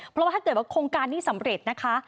เพราะว่าถ้าเกิดว่าโครงการนี้สำเร็จนะคะ